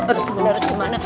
harus gimana harus gimana